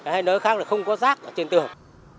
hay nơi khác là không có rác trên tường